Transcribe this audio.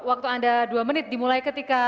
waktu anda dua menit dimulai ketika